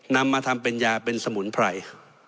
นำมาทำเป็นยาเป็นสมุนไพร